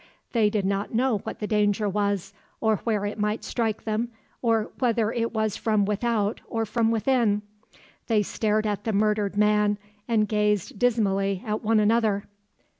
They did not know what the danger was, or where it might strike them, or whether it was from without or from within. They stared at the murdered man, and gazed dismally at one another.